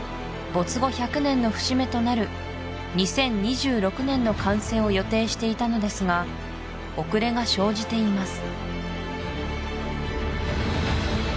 没後１００年の節目となる２０２６年の完成を予定していたのですが遅れが生じています